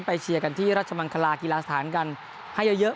เชียร์กันที่ราชมังคลากีฬาสถานกันให้เยอะ